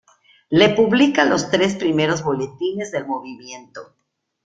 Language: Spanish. Le publica los tres primeros boletines del movimiento.